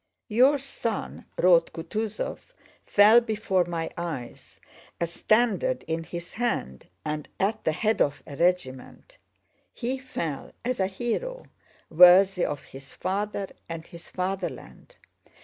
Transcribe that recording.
"Your son," wrote Kutúzov, "fell before my eyes, a standard in his hand and at the head of a regiment—he fell as a hero, worthy of his father and his fatherland.